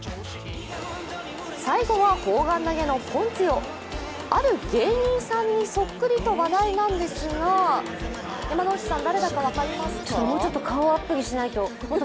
最後は砲丸投げのポンツィオ、ある芸人さんにそっくりと話題なんですが山内さん、誰だか分かりますか？